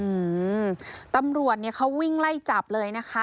อืมตำรวจเนี่ยเขาวิ่งไล่จับเลยนะคะ